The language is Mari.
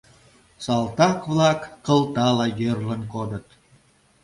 Салтак-влак кылтала йӧрлын кодыт.